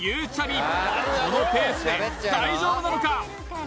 みこのペースで大丈夫なのか